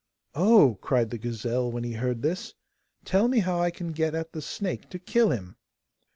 'Oh!' cried the gazelle when he heard this; 'tell me how I can get at the snake to kill him?